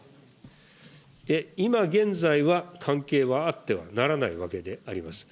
今現在は関係はあってはならないわけであります。